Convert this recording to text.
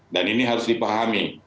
dan ini harus dipahami